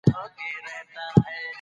کوچنۍ پېښې یې په ژورو معناوو بدلې کړې.